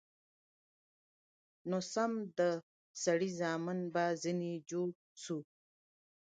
نو سم د سړي زامن به ځنې جوړ سو.